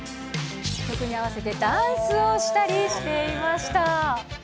曲に合わせてダンスをしたりしていました。